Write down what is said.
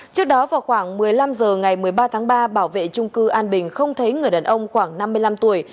trước đó vào khoảng một mươi năm h ngày một mươi ba tháng ba bảo vệ trung cư an bình không thấy người đàn ông khoảng năm mươi năm tuổi